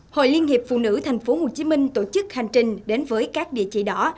hội liên hiệp phụ nữ tp hcm tổ chức hành trình đến với các địa chỉ đỏ